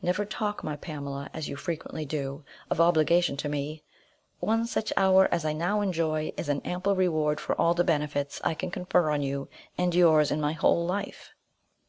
Never talk, my Pamela, as you frequently do, of obligation to me: one such hour as I now enjoy is an ample reward for all the benefits I can confer on you and yours in my whole life!"